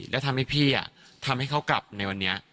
แล้วทำให้พี่ทำให้เขากลับในวันนี้